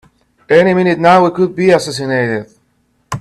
Any minute now we could be assassinated!